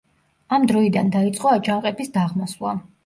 ამ დროიდან დაიწყო აჯანყების დაღმასვლა.